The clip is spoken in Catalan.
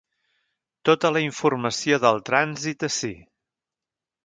Tot la informació del trànsit ací.